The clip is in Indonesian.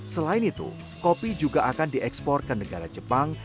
selain itu kopi juga akan diekspor ke negara jepang